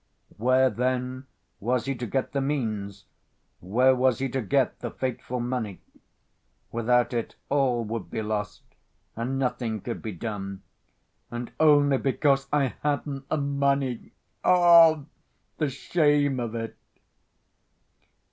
Where then was he to get the means, where was he to get the fateful money? Without it, all would be lost and nothing could be done, "and only because I hadn't the money. Oh, the shame of it!"